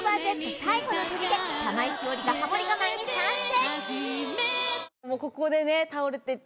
最後のとりで玉井詩織がハモリ我慢に参戦